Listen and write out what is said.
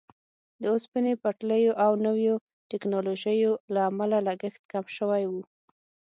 د اوسپنې پټلیو او نویو ټیکنالوژیو له امله لګښت کم شوی وو.